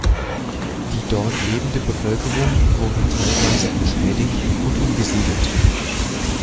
Die dort lebende Bevölkerung wurde teilweise entschädigt und umgesiedelt.